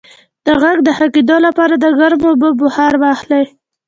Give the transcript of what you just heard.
د غږ د ښه کیدو لپاره د ګرمو اوبو بخار واخلئ